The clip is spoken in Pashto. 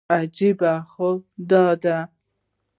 عجیبه خو دا ده.